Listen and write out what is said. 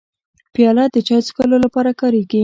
پیاله د چای څښلو لپاره کارېږي.